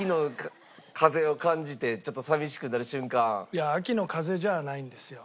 いや秋の風じゃないんですよ。